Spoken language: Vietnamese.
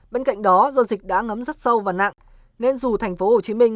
bên cạnh đó do dịch đã ngấm rất sâu và nặng nên dù thành phố hồ chí minh